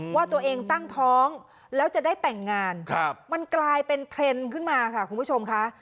ว่าตัวเองตั้งท้องแล้วจะได้แต่งงานมันกลายเป็นเทรนด์ขึ้นมาค่ะคุณผู้ชมค่ะ